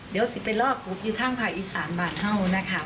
เดี๋ยวซิิ่งเป็นรองใหญ่ครับกรุ๊ปอยู่ทางภายอิสารบาลเว้าน่ะค่ะ